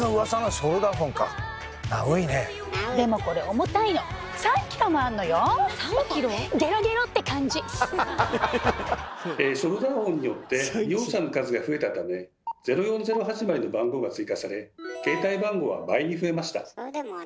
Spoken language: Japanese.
ショルダーホンによって利用者の数が増えたため「０４０」始まりの番号が追加され携帯番号は倍に増えました。